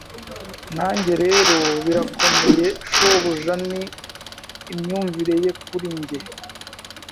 Nanjye rero Birakomeye shobuja ni imyumvire ye kuri njye